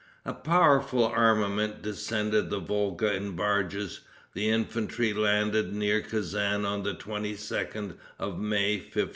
A powerful armament descended the Volga in barges. The infantry landed near Kezan on the 22d of May, 1506.